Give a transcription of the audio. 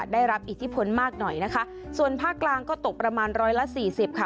ได้รับอิทธิพลมากหน่อยนะคะส่วนภาคกลางก็ตกประมาณร้อยละสี่สิบค่ะ